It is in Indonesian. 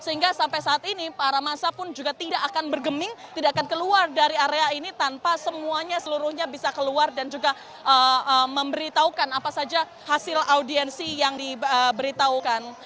ini sampai saat ini aksi masih teres eskalasi begitu di depan gedung dpr masa sejenak masih beberapa